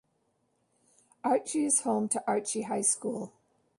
Archie is home to Archie High School.